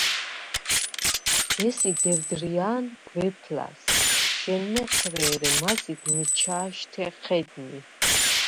ბესი დევდრია̄ნ გვეფ ლას: ჟ’ენმეჴრე, ერე მაზიგ მიჩა̄შთე ჴედნი.